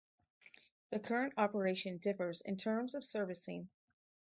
The current operation differs in terms of servicing.